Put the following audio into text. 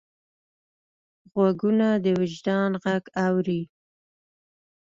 غوږونه د وجدان غږ اوري